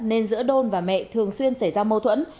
nên giữa đôn và mẹ thường xuyên xảy ra mâu thuẫn